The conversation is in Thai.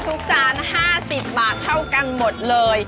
จาน๕๐บาทเท่ากันหมดเลย